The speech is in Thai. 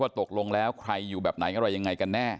ตกลงแล้วใครอยู่แบบไหนอะไรยังไงกันแน่